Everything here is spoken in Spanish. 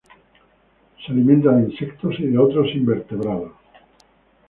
Se alimenta de insectos y de otros invertebrados.